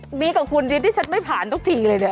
ฉันมุกมี้กับคุณดิที่ฉันไม่ผ่านทุกทิ่งเลย